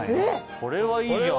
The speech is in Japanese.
これはいいじゃん。